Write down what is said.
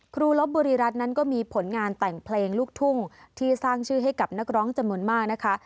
ลบบุรีรัฐนั้นก็มีผลงานแต่งเพลงลูกทุ่งที่สร้างชื่อให้กับนักร้องจำนวนมากนะคะ